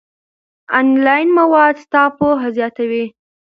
آنلاین مواد ستا پوهه زیاتوي.